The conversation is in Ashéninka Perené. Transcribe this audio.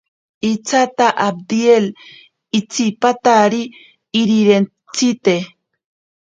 Iñatsata abdiel itsipatari irirentsite.